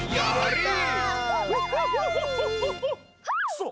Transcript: そう。